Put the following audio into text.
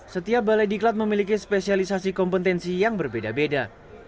setiap balai diklat memiliki spesialisasi kompetensi yang berbeda beda